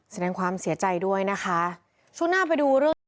แสดงความเสียใจด้วยนะคะช่วงหน้าไปดูเรื่องนี้